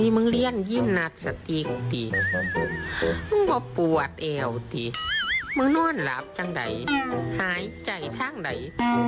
มึงนอนหลับทั้งใดหายใจทั้งใด